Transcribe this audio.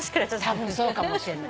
たぶんそうかもしれない。